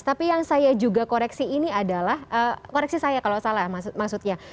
tapi yang saya juga koreksi ini adalah koreksi saya kalau salah maksudnya